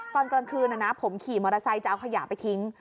ตอนกลางคืนผมขี่มอเตอร์ไซค์จะเอาขยะไปทิ้ง